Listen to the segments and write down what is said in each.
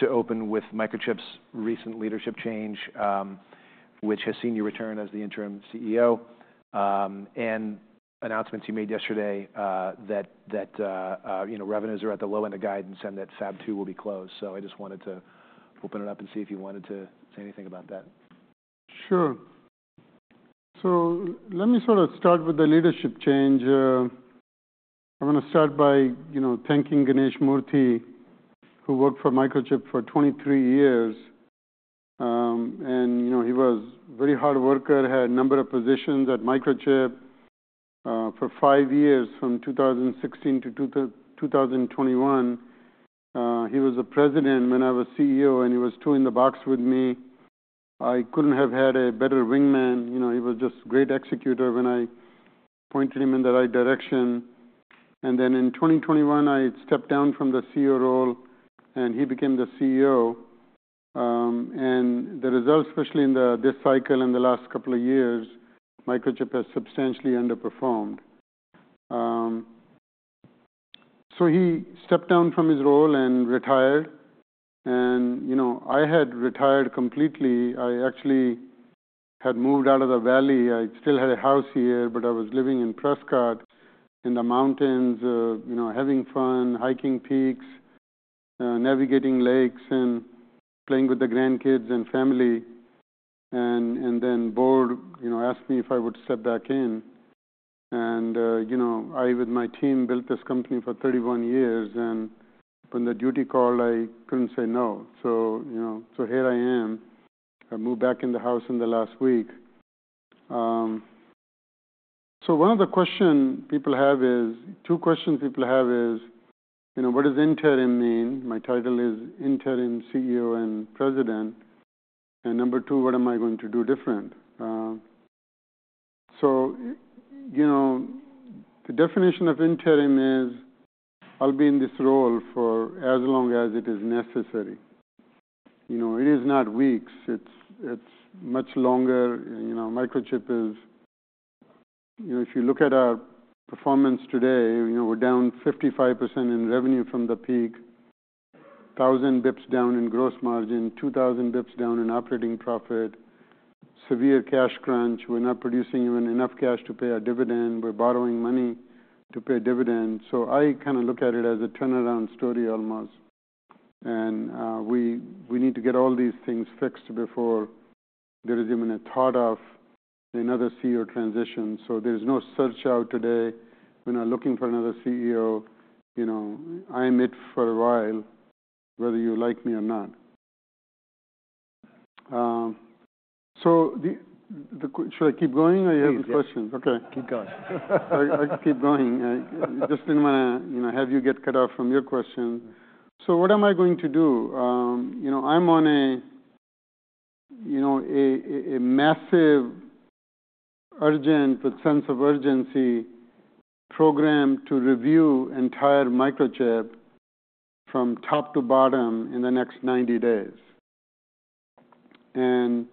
To open with Microchip's recent leadership change, which has seen you return as the interim CEO, and announcements you made yesterday, that you know, revenues are at the low end of guidance and that Fab 2 will be closed. So I just wanted to open it up and see if you wanted to say anything about that. Sure, so let me sort of start with the leadership change. I wanna start by, you know, thanking Ganesh Moorthy, who worked for Microchip for 23 years, and you know, he was a very hard worker, had a number of positions at Microchip for five years, from 2016 to 2021. He was the president when I was CEO, and he was two in the box with me. I couldn't have had a better wingman. You know, he was just a great executor when I pointed him in the right direction, and then in 2021, I stepped down from the CEO role, and he became the CEO. The results, especially in this cycle and the last couple of years, Microchip has substantially underperformed, so he stepped down from his role and retired, and you know, I had retired completely. I actually had moved out of the Valley. I still had a house here, but I was living in Prescott in the mountains, you know, having fun, hiking peaks, navigating lakes, and playing with the grandkids and family. And then the Board, you know, asked me if I would step back in. And, you know, I with my team built this company for 31 years, and when the duty called, I couldn't say no. So, you know, here I am. I moved back in the house in the last week. Two questions people have is, you know, what does interim mean? My title is Interim CEO and President. Number two, what am I going to do different? The definition of interim is I'll be in this role for as long as it is necessary. You know, it is not weeks. It's much longer. You know, Microchip is, you know, if you look at our performance today, you know, we're down 55% in revenue from the peak, 1,000 basis points down in gross margin, 2,000 basis points down in operating profit, severe cash crunch. We're not producing even enough cash to pay our dividend. We're borrowing money to pay dividends. So I kinda look at it as a turnaround story almost. And we need to get all these things fixed before there is even a thought of another CEO transition. So there's no search out today. When I'm looking for another CEO, you know, I'm it for a while, whether you like me or not. So the question should I keep going? I have questions. Yes. Okay. Keep going. I keep going. I just didn't wanna, you know, have you get cut off from your question. So what am I going to do? You know, I'm on a, you know, a massive urgent but sense of urgency program to review entire Microchip from top to bottom in the next 90 days. And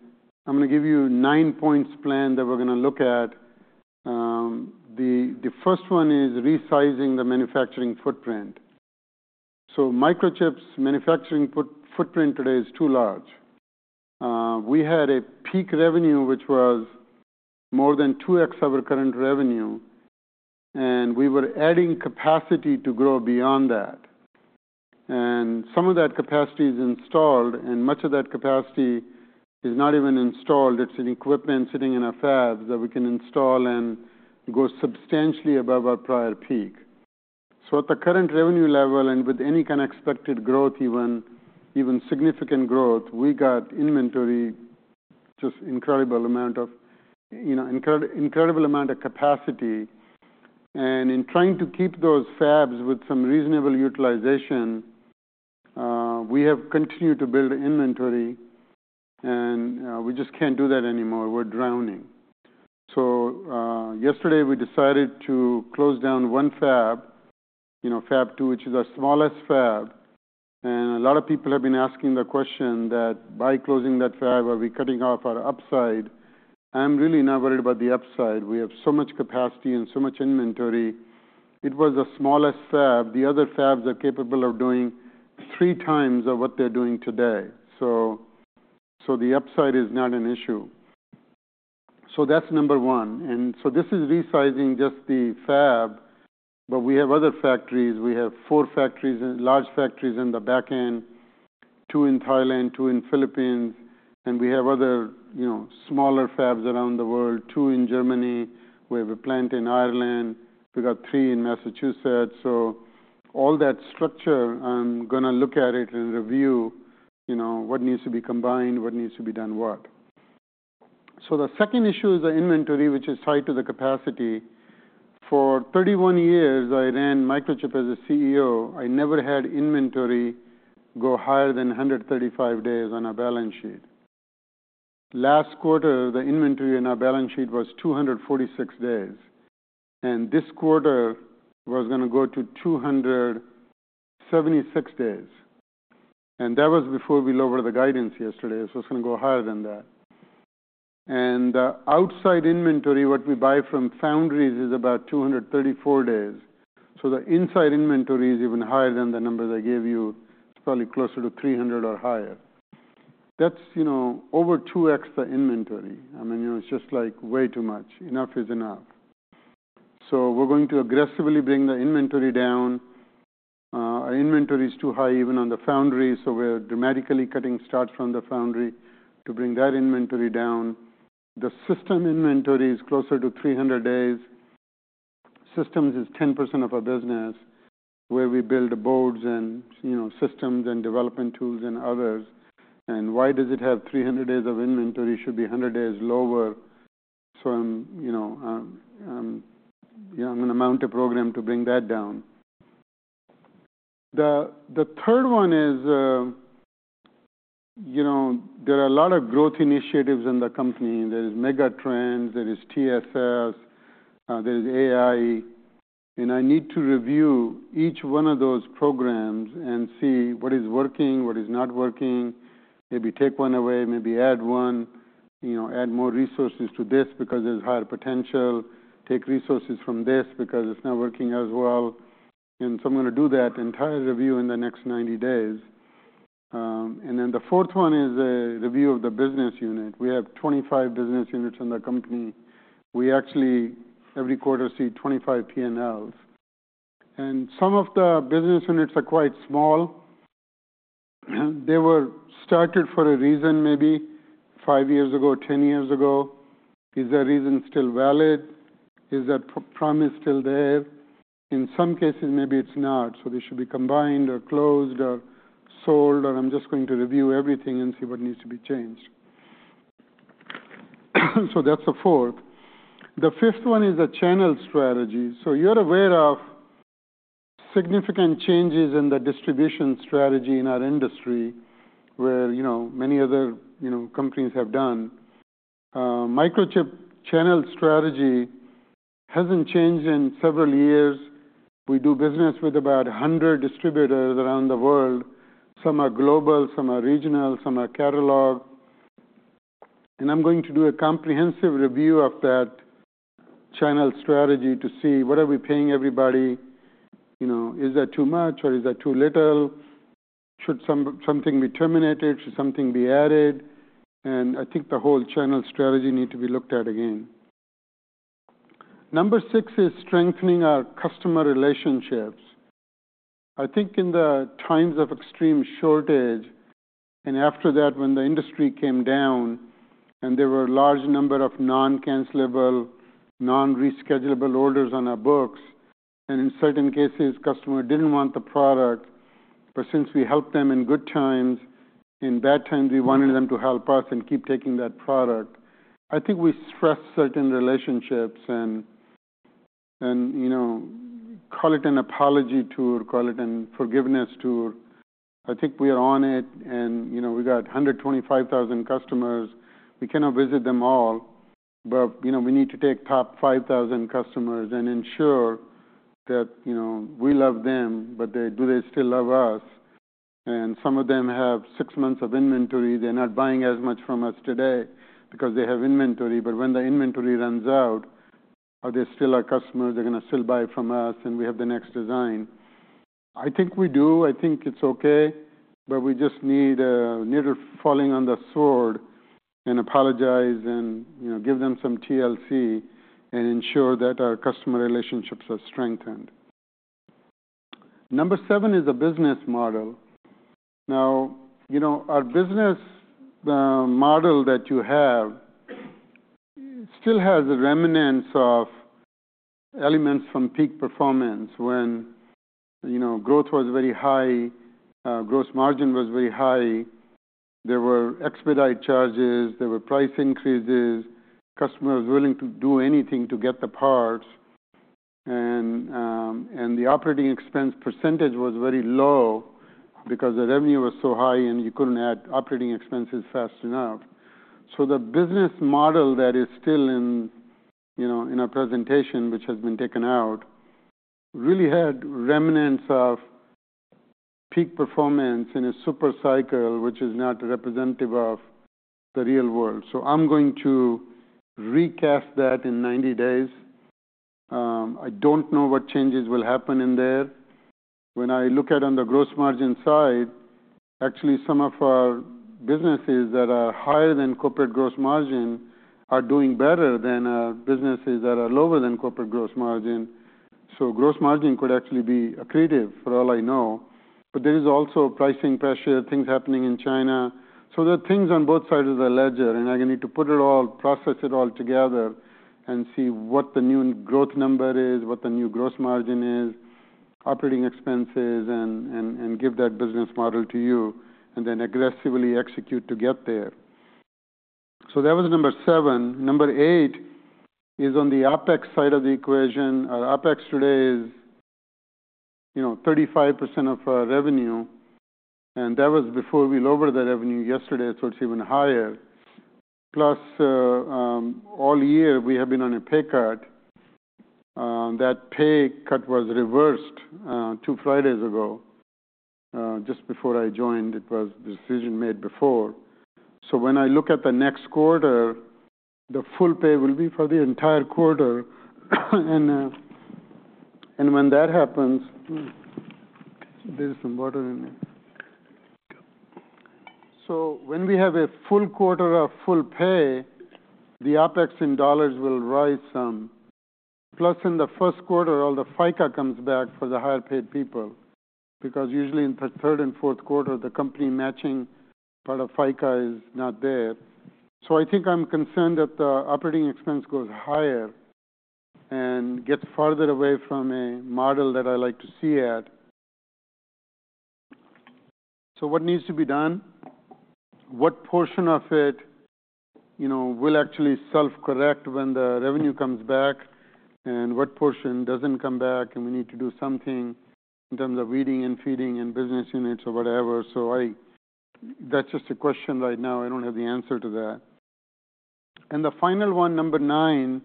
I'm gonna give you nine points planned that we're gonna look at. The first one is resizing the manufacturing footprint. So Microchip's manufacturing footprint today is too large. We had a peak revenue, which was more than 2x of our current revenue, and we were adding capacity to grow beyond that. And some of that capacity is installed, and much of that capacity is not even installed. It's an equipment sitting in our fabs that we can install and go substantially above our prior peak. So at the current revenue level and with any kinda expected growth, even, even significant growth, we got inventory, just incredible amount of, you know, incredible amount of capacity. And in trying to keep those fabs with some reasonable utilization, we have continued to build inventory, and we just can't do that anymore. We're drowning. So, yesterday, we decided to close down one fab, you know, Fab 2, which is our smallest fab. And a lot of people have been asking the question that by closing that fab, are we cutting off our upside? I'm really not worried about the upside. We have so much capacity and so much inventory. It was the smallest fab. The other fabs are capable of doing three times of what they're doing today. So, so the upside is not an issue. So that's number one. And so this is resizing just the fab, but we have other factories. We have four factories, large factories in the back end, two in Thailand, two in Philippines. And we have other, you know, smaller fabs around the world, two in Germany. We have a plant in Ireland. We got three in Massachusetts. So all that structure, I'm gonna look at it and review, you know, what needs to be combined, what needs to be done, what. So the second issue is the inventory, which is tied to the capacity. For 31 years, I ran Microchip as a CEO. I never had inventory go higher than 135 days on our balance sheet. Last quarter, the inventory in our balance sheet was 246 days. And this quarter was gonna go to 276 days. And that was before we lowered the guidance yesterday. So it's gonna go higher than that. The outside inventory, what we buy from foundries, is about 234 days. So the inside inventory is even higher than the number that I gave you. It's probably closer to 300 or higher. That's, you know, over 2x the inventory. I mean, you know, it's just like way too much. Enough is enough. So we're going to aggressively bring the inventory down. Our inventory is too high, even on the foundries. So we're dramatically cutting starts from the foundry to bring that inventory down. The system inventory is closer to 300 days. Systems is 10% of our business, where we build boards and, you know, systems and development tools and others. Why does it have 300 days of inventory? It should be 100 days lower. So I'm, you know, gonna mount a program to bring that down. The third one is, you know, there are a lot of growth initiatives in the company. There is Megatrends. There is TSS. There is AI. I need to review each one of those programs and see what is working, what is not working, maybe take one away, maybe add one, you know, add more resources to this because there's higher potential, take resources from this because it's not working as well. So I'm gonna do that entire review in the next 90 days. Then the fourth one is a review of the business unit. We have 25 business units in the company. We actually, every quarter, see 25 P&Ls. Some of the business units are quite small. They were started for a reason, maybe five years ago, 10 years ago. Is that reason still valid? Is that promise still there? In some cases, maybe it's not. So they should be combined or closed or sold, or I'm just going to review everything and see what needs to be changed. So that's the fourth. The fifth one is a channel strategy. So you're aware of significant changes in the distribution strategy in our industry, where, you know, many other, you know, companies have done. Microchip channel strategy hasn't changed in several years. We do business with about 100 distributors around the world. Some are global, some are regional, some are catalog. And I'm going to do a comprehensive review of that channel strategy to see what are we paying everybody. You know, is that too much or is that too little? Should something be terminated? Should something be added? And I think the whole channel strategy needs to be looked at again. Number six is strengthening our customer relationships. I think in the times of extreme shortage and after that, when the industry came down and there were a large number of non-cancelable, non-reschedulable orders on our books, and in certain cases, customers didn't want the product, but since we helped them in good times, in bad times, we wanted them to help us and keep taking that product, I think we stressed certain relationships and, you know, call it an apology tour, call it a forgiveness tour. I think we are on it, and, you know, we got 125,000 customers. We cannot visit them all, but, you know, we need to take top 5,000 customers and ensure that, you know, we love them, but do they still love us? And some of them have six months of inventory. They're not buying as much from us today because they have inventory. But when the inventory runs out, are they still our customers? They're gonna still buy from us, and we have the next design. I think we do. I think it's okay, but we just need to fall on the sword and apologize and, you know, give them some TLC and ensure that our customer relationships are strengthened. Number seven is a business model. Now, you know, our business model that you have still has remnants of elements from peak performance. When, you know, growth was very high, gross margin was very high, there were expedite charges, there were price increases, customers willing to do anything to get the parts. And the operating expense percentage was very low because the revenue was so high, and you couldn't add operating expenses fast enough. So the business model that is still in, you know, in our presentation, which has been taken out, really had remnants of peak performance in a supercycle, which is not representative of the real world. So I'm going to recast that in 90 days. I don't know what changes will happen in there. When I look at on the gross margin side, actually, some of our businesses that are higher than corporate gross margin are doing better than our businesses that are lower than corporate gross margin. So gross margin could actually be accretive, for all I know. But there is also pricing pressure, things happening in China. So there are things on both sides of the ledger, and I'm gonna need to put it all, process it all together, and see what the new growth number is, what the new gross margin is, operating expenses, and give that business model to you and then aggressively execute to get there. So that was number seven. Number eight is on the OpEx side of the equation. Our OpEx today is, you know, 35% of our revenue. And that was before we lowered the revenue yesterday, so it's even higher. Plus, all year, we have been on a pay cut. That pay cut was reversed two Fridays ago, just before I joined. It was the decision made before. So when I look at the next quarter, the full pay will be for the entire quarter. And when that happens there's some water in there. So when we have a full quarter of full pay, the OpEx in dollars will rise some. Plus, in the first quarter, all the FICA comes back for the higher-paid people because usually in the third and fourth quarter, the company matching part of FICA is not there. So I think I'm concerned that the operating expense goes higher and gets farther away from a model that I like to see at. So what needs to be done? What portion of it, you know, will actually self-correct when the revenue comes back, and what portion doesn't come back, and we need to do something in terms of weeding and feeding and business units or whatever? So that's just a question right now. I don't have the answer to that. And the final one, number nine,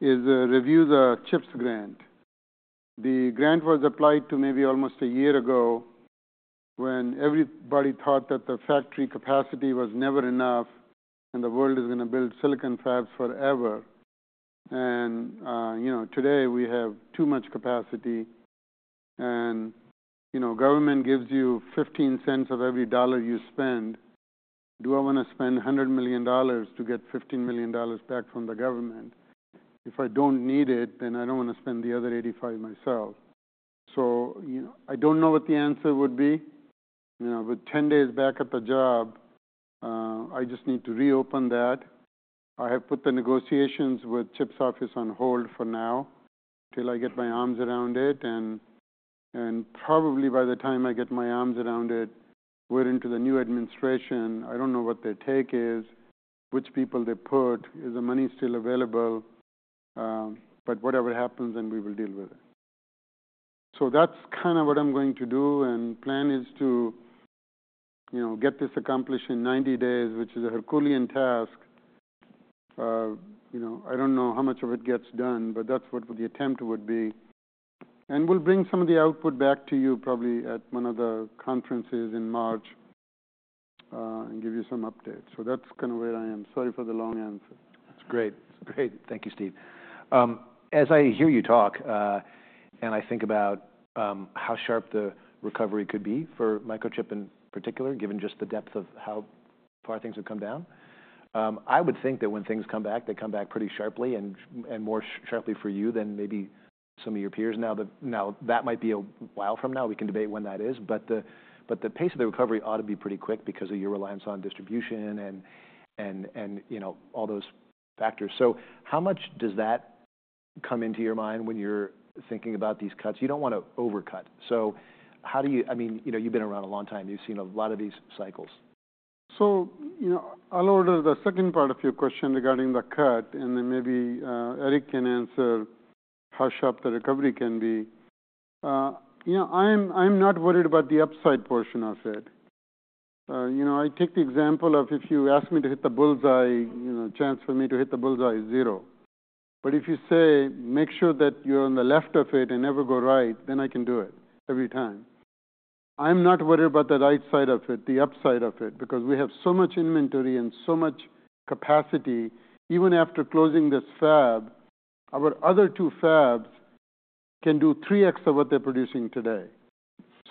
is, review the CHIPS grant. The grant was applied to maybe almost a year ago when everybody thought that the factory capacity was never enough and the world is gonna build silicon fabs forever. And, you know, today, we have too much capacity. And, you know, government gives you 15 cents of every dollar you spend. Do I wanna spend $100 million to get $15 million back from the government? If I don't need it, then I don't wanna spend the other 85 myself. So, you know, I don't know what the answer would be. You know, with 10 days back at the job, I just need to reopen that. I have put the negotiations with CHIPS office on hold for now until I get my arms around it. And probably by the time I get my arms around it, we're into the new administration. I don't know what their take is, which people they put. Is the money still available? But whatever happens, then we will deal with it. So that's kinda what I'm going to do. And plan is to, you know, get this accomplished in 90 days, which is a Herculean task. You know, I don't know how much of it gets done, but that's what the attempt would be. And we'll bring some of the output back to you probably at one of the conferences in March, and give you some updates. So that's kinda where I am. Sorry for the long answer. That's great. That's great. Thank you, Steve. As I hear you talk, and I think about how sharp the recovery could be for Microchip in particular, given just the depth of how far things have come down, I would think that when things come back, they come back pretty sharply and more sharply for you than maybe some of your peers. Now, that might be a while from now. We can debate when that is. But the pace of the recovery ought to be pretty quick because of your reliance on distribution and, you know, all those factors. So how much does that come into your mind when you're thinking about these cuts? You don't wanna overcut. So how do you? I mean, you know, you've been around a long time. You've seen a lot of these cycles. So, you know, I'll address the second part of your question regarding the cut, and then maybe Eric can answer how sharp the recovery can be. You know, I'm not worried about the upside portion of it. You know, I take the example of if you ask me to hit the bullseye, you know, chance for me to hit the bullseye is zero. But if you say, "Make sure that you're on the left of it and never go right," then I can do it every time. I'm not worried about the right side of it, the upside of it, because we have so much inventory and so much capacity. Even after closing this fab, our other two fabs can do 3x of what they're producing today.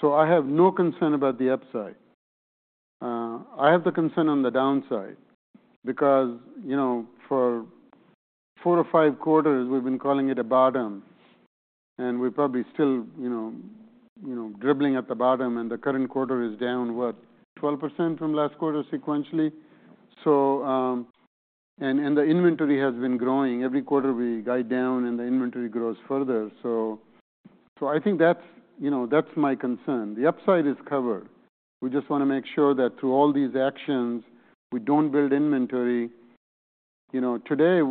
So I have no concern about the upside. I have the concern on the downside because, you know, for four or five quarters, we've been calling it a bottom, and we're probably still, you know, dribbling at the bottom. The current quarter is down what, 12% from last quarter sequentially? The inventory has been growing. Every quarter, we guide down, and the inventory grows further. I think that's my concern. The upside is covered. We just wanna make sure that through all these actions, we don't build inventory. You know, today,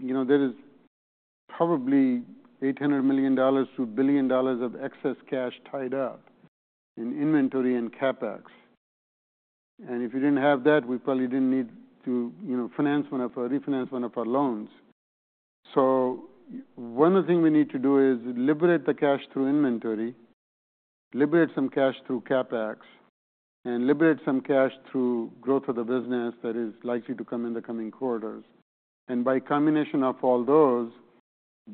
there is probably $800 million to $1 billion of excess cash tied up in inventory and CapEx. If we didn't have that, we probably didn't need to refinance one of our loans. One of the things we need to do is liberate the cash through inventory, liberate some cash through CapEx, and liberate some cash through growth of the business that is likely to come in the coming quarters. By combination of all those,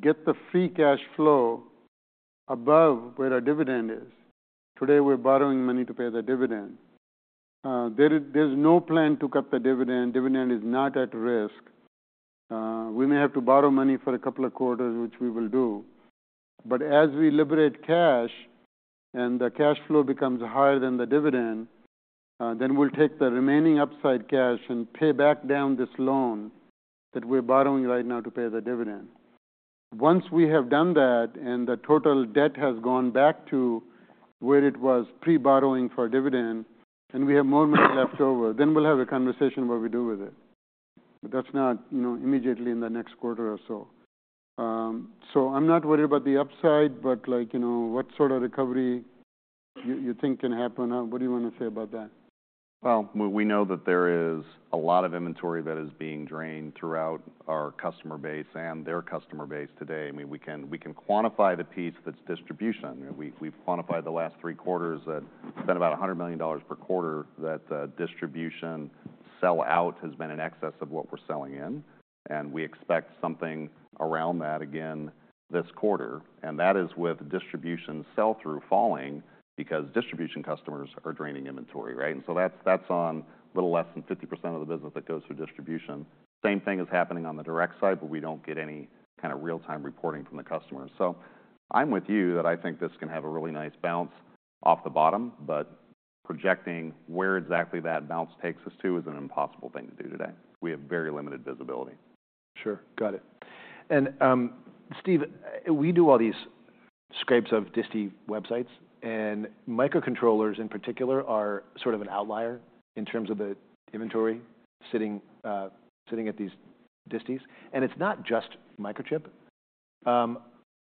get the free cash flow above where our dividend is. Today, we're borrowing money to pay the dividend. There's no plan to cut the dividend. Dividend is not at risk. We may have to borrow money for a couple of quarters, which we will do. But as we liberate cash and the cash flow becomes higher than the dividend, then we'll take the remaining upside cash and pay back down this loan that we're borrowing right now to pay the dividend. Once we have done that and the total debt has gone back to where it was pre-borrowing for dividend and we have more money left over, then we'll have a conversation about what we do with it. But that's not, you know, immediately in the next quarter or so, so I'm not worried about the upside, but, like, you know, what sort of recovery you think can happen? What do you wanna say about that? We know that there is a lot of inventory that is being drained throughout our customer base and their customer base today. I mean, we can quantify the piece that's distribution. I mean, we've quantified the last three quarters that spent about $100 million per quarter that distribution sell-out has been in excess of what we're selling in. We expect something around that again this quarter. That is with distribution sell-through falling because distribution customers are draining inventory, right? That's on a little less than 50% of the business that goes through distribution. Same thing is happening on the direct side, but we don't get any kinda real-time reporting from the customers. I'm with you that I think this can have a really nice bounce off the bottom, but projecting where exactly that bounce takes us to is an impossible thing to do today. We have very limited visibility. Sure. Got it. And, Steve, we do all these scrapes of disti websites, and microcontrollers in particular are sort of an outlier in terms of the inventory sitting at these distis. And it's not just Microchip.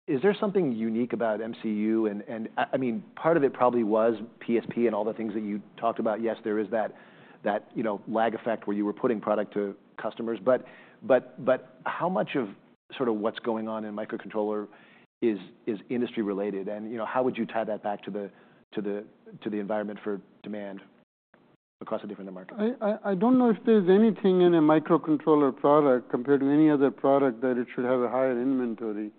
Is there something unique about MCU? And, I mean, part of it probably was PSP and all the things that you talked about. Yes, there is that, you know, lag effect where you were putting product to customers. But, but how much of sort of what's going on in microcontroller is industry-related? And, you know, how would you tie that back to the environment for demand across a different market? I don't know if there's anything in a microcontroller product compared to any other product that it should have a higher inventory.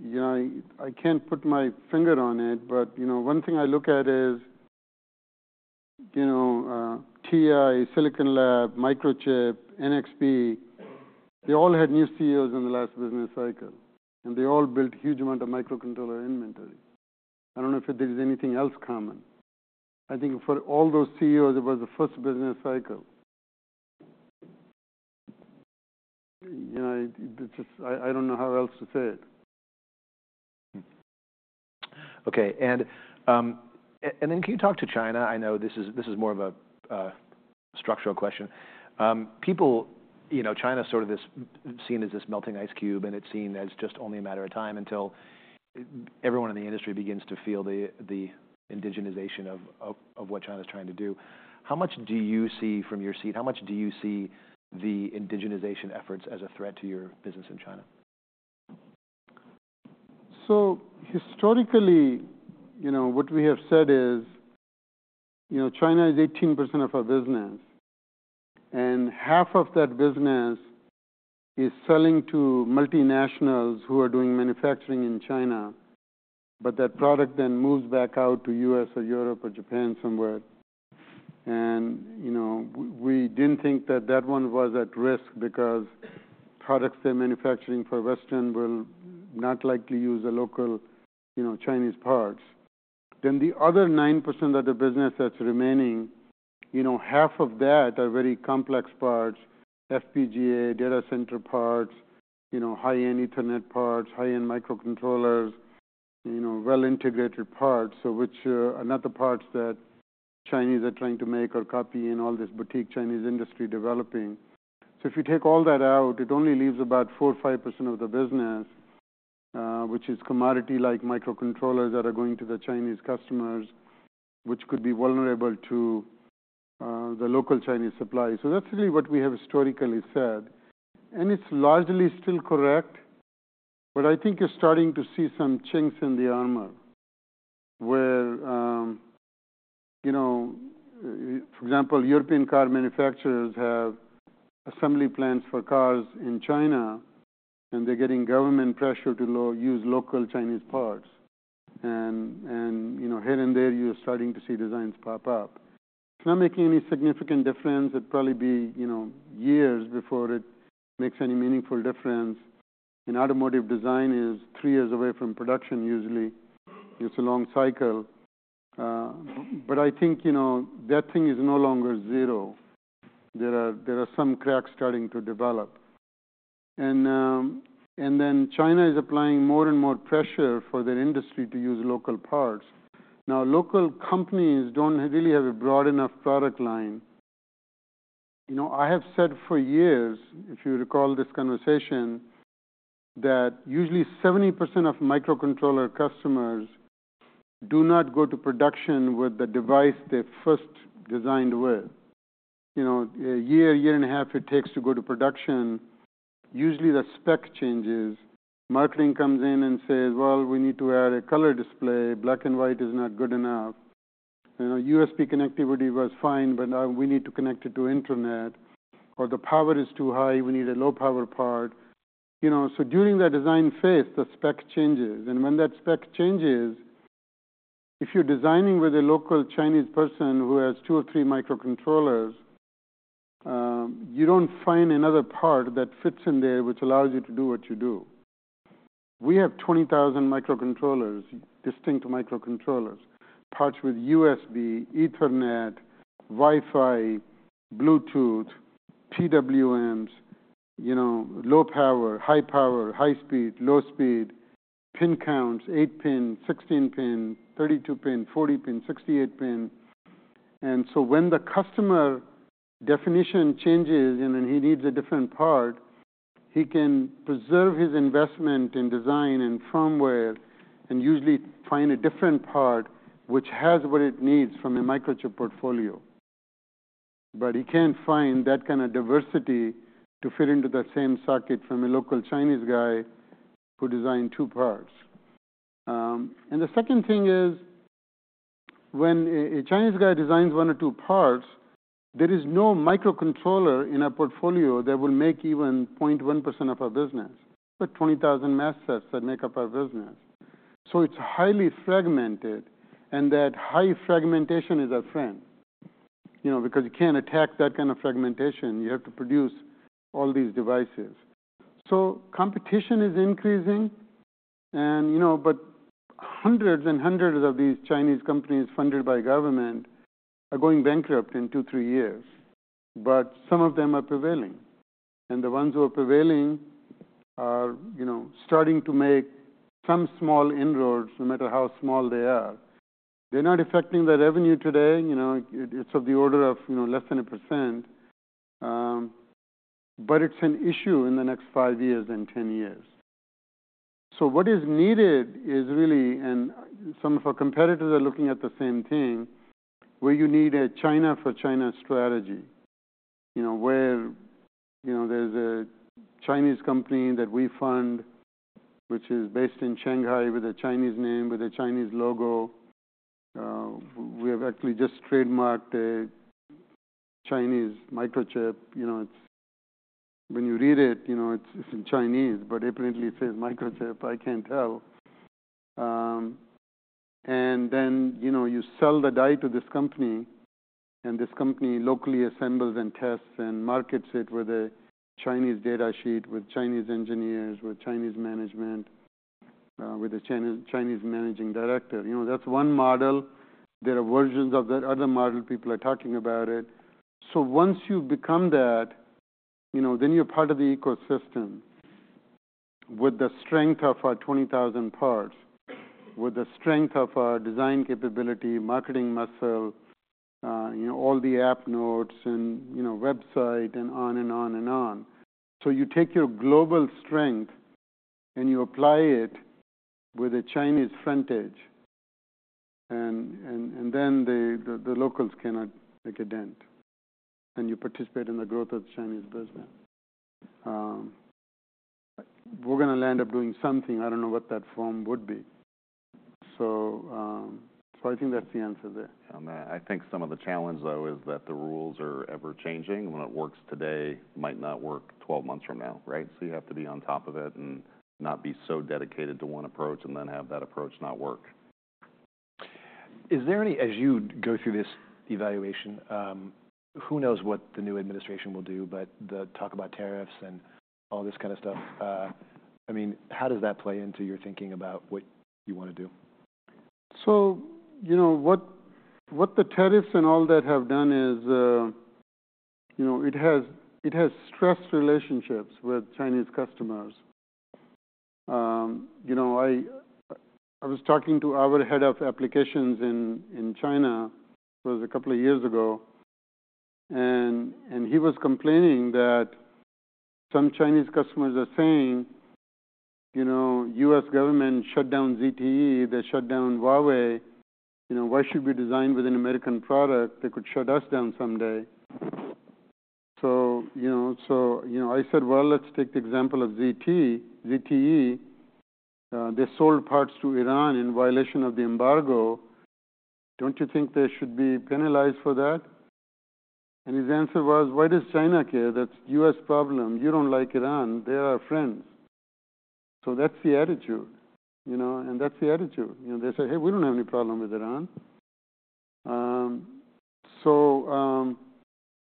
You know, I can't put my finger on it, but, you know, one thing I look at is, you know, TI, Silicon Lab, Microchip, NXP, they all had new CEOs in the last business cycle, and they all built a huge amount of microcontroller inventory. I don't know if there is anything else common. I think for all those CEOs, it was the first business cycle. You know, it just I don't know how else to say it. Okay. And then can you talk to China? I know this is more of a structural question. People, you know, China's sort of seen as this melting ice cube, and it's seen as just only a matter of time until everyone in the industry begins to feel the indigenization of what China's trying to do. How much do you see from your seat? How much do you see the indigenization efforts as a threat to your business in China? So historically, you know, what we have said is, you know, China is 18% of our business, and half of that business is selling to multinationals who are doing manufacturing in China. But that product then moves back out to U.S. or Europe or Japan somewhere. And, you know, we didn't think that that one was at risk because products they're manufacturing for Western will not likely use a local, you know, Chinese parts. Then the other 9% of the business that's remaining, you know, half of that are very complex parts: FPGA, data center parts, you know, high-end Ethernet parts, high-end microcontrollers, you know, well-integrated parts, so which are not the parts that Chinese are trying to make or copy and all this boutique Chinese industry developing. So if you take all that out, it only leaves about 4% or 5% of the business, which is commodity-like microcontrollers that are going to the Chinese customers, which could be vulnerable to the local Chinese supply. So that's really what we have historically said. And it's largely still correct. But I think you're starting to see some chinks in the armor where, you know, for example, European car manufacturers have assembly plants for cars in China, and they're getting government pressure to use local Chinese parts. And, you know, here and there, you're starting to see designs pop up. It's not making any significant difference. It'd probably be, you know, years before it makes any meaningful difference. And automotive design is three years away from production, usually. It's a long cycle. But I think, you know, that thing is no longer zero. There are some cracks starting to develop, and then China is applying more and more pressure for their industry to use local parts. Now, local companies don't really have a broad enough product line. You know, I have said for years, if you recall this conversation, that usually 70% of microcontroller customers do not go to production with the device they first designed with. You know, a year or a year and a half, it takes to go to production. Usually, the spec changes. Marketing comes in and says, "Well, we need to add a color display. Black and white is not good enough." You know, USB connectivity was fine, but now we need to connect it to internet. Or the power is too high. We need a low-power part. You know, so during that design phase, the spec changes. When that spec changes, if you're designing with a local Chinese person who has two or three microcontrollers, you don't find another part that fits in there which allows you to do what you do. We have 20,000 microcontrollers, distinct microcontrollers, parts with USB, Ethernet, Wi-Fi, Bluetooth, PWMs, you know, low power, high power, high speed, low speed, pin counts, 8-pin, 16-pin, 32-pin, 40-pin, 68-pin. So when the customer definition changes and then he needs a different part, he can preserve his investment in design and firmware and usually find a different part which has what it needs from a Microchip portfolio. He can't find that kinda diversity to fit into the same socket from a local Chinese guy who designed two parts. And the second thing is when a Chinese guy designs one or two parts, there is no microcontroller in our portfolio that will make even 0.1% of our business, the 20,000 mask sets that make up our business. So it's highly fragmented, and that high fragmentation is our friend, you know, because you can't attack that kind of fragmentation. You have to produce all these devices. So competition is increasing. And you know, but hundreds and hundreds of these Chinese companies funded by government are going bankrupt in two, three years. But some of them are prevailing. And the ones who are prevailing are, you know, starting to make some small inroads, no matter how small they are. They're not affecting the revenue today. You know, it's of the order of, you know, less than 1%. But it's an issue in the next five years and 10 years. So what is needed is really and some of our competitors are looking at the same thing, where you need a China-for-China strategy, you know, where, you know, there's a Chinese company that we fund, which is based in Shanghai with a Chinese name, with a Chinese logo. We have actually just trademarked a Chinese Microchip. You know, it's when you read it, you know, it's, it's in Chinese, but apparently it says Microchip. I can't tell, and then, you know, you sell the die to this company, and this company locally assembles and tests and markets it with a Chinese data sheet, with Chinese engineers, with Chinese management, with a Chinese managing director. You know, that's one model. There are versions of that other model. People are talking about it. So once you become that, you know, then you're part of the ecosystem with the strength of our 20,000 parts, with the strength of our design capability, marketing muscle, you know, all the app notes and, you know, website and on and on and on. So you take your global strength and you apply it with a Chinese frontage. And then the locals cannot make a dent. And you participate in the growth of the Chinese business. We're gonna land up doing something. I don't know what that form would be. So I think that's the answer there. Yeah. I mean, I think some of the challenge, though, is that the rules are ever-changing. When it works today, it might not work 12 months from now, right? So you have to be on top of it and not be so dedicated to one approach and then have that approach not work. Is there any, as you go through this evaluation, who knows what the new administration will do, but the talk about tariffs and all this kinda stuff, I mean, how does that play into your thinking about what you wanna do? So, you know, what the tariffs and all that have done is, you know, it has stressed relationships with Chinese customers. You know, I was talking to our head of applications in China a couple of years ago. And he was complaining that some Chinese customers are saying, you know, "U.S. government shut down ZTE. They shut down Huawei. You know, why should we design with an American product? They could shut us down someday." So, you know, so, you know, I said, "Well, let's take the example of ZT, ZTE. They sold parts to Iran in violation of the embargo. Don't you think they should be penalized for that?" And his answer was, "Why does China care? That's U.S. problem. You don't like Iran. They are our friends." So that's the attitude, you know, and that's the attitude. You know, they say, "Hey, we don't have any problem with Iran,"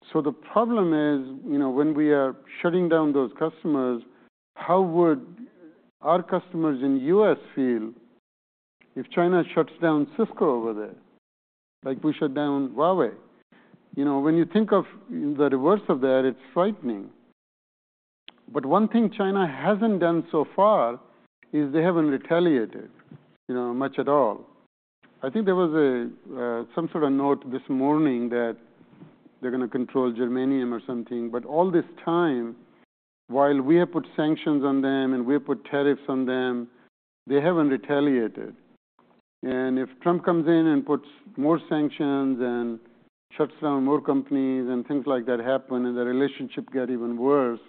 so the problem is, you know, when we are shutting down those customers, how would our customers in the U.S. feel if China shuts down Cisco over there, like we shut down Huawei? You know, when you think of the reverse of that, it's frightening. But one thing China hasn't done so far is they haven't retaliated, you know, much at all. I think there was some sort of note this morning that they're gonna control germanium or something. But all this time, while we have put sanctions on them and we have put tariffs on them, they haven't retaliated. If Trump comes in and puts more sanctions and shuts down more companies and things like that happen and the relationship got even worse,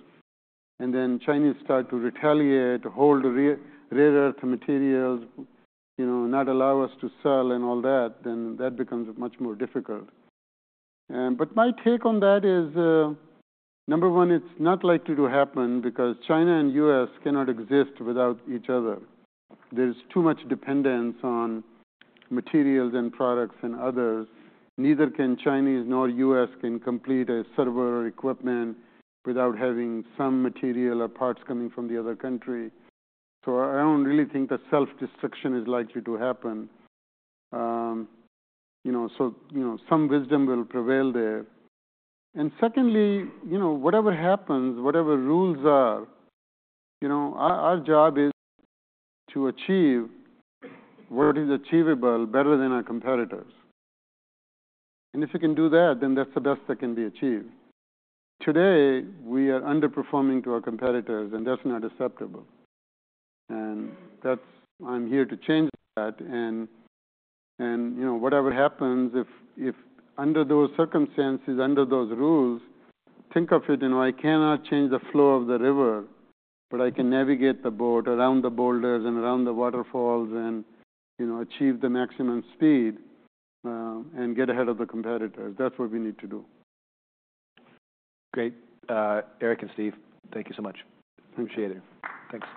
and then Chinese start to retaliate, hold rare earth materials, you know, not allow us to sell and all that, then that becomes much more difficult. But my take on that is, number one, it's not likely to happen because China and U.S. cannot exist without each other. There's too much dependence on materials and products and others. Neither can Chinese nor U.S. can complete a server or equipment without having some material or parts coming from the other country. So I don't really think the self-destruction is likely to happen, you know, so, you know, some wisdom will prevail there. Secondly, you know, whatever happens, whatever rules are, you know, our, our job is to achieve what is achievable better than our competitors. And if you can do that, then that's the best that can be achieved. Today, we are underperforming to our competitors, and that's not acceptable. And that's. I'm here to change that. And, you know, whatever happens, if under those circumstances, under those rules, think of it, you know, I cannot change the flow of the river, but I can navigate the boat around the boulders and around the waterfalls and, you know, achieve the maximum speed, and get ahead of the competitors. That's what we need to do. Great. Eric and Steve, thank you so much. Appreciate it. Thanks.